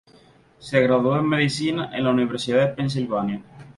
Se graduó en medicina en la Universidad de Pensilvania.